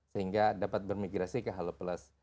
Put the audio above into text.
sehingga dapat bermigrasi ke halo plus